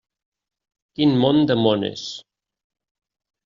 Quin món de mones.